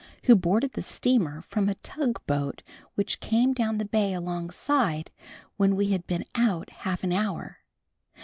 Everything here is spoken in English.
who boarded the steamer from a tug boat which came down the bay alongside when we had been out half an hour.